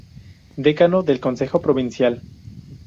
Decano del Consejo Provincial.